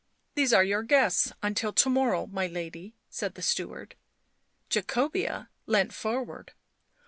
" These are your guests until to morrow, my lady," said the steward. Jacobean leant forward.